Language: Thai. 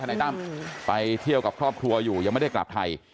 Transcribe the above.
นายตั้มไปเที่ยวกับครอบครัวอยู่ยังไม่ได้กลับไทย